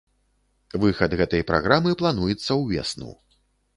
Выхад гэтай праграмы плануецца ўвесну.